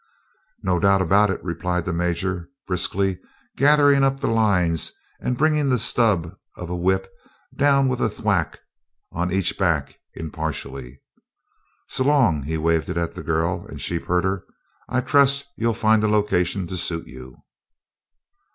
"No doubt about it," replied the Major, briskly, gathering up the lines and bringing the stub of a whip down with a thwack upon each back impartially. "S'long!" He waved it at the girl and sheepherder. "I trust you'll find a location to suit you."